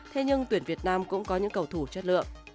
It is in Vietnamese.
thế nhưng tuyển việt nam cũng có những cầu thủ chất lượng